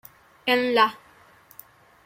En La.